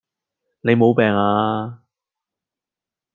你無病呀?